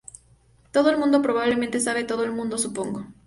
Todo el mundo probablemente sabe todo el mundo, supongo.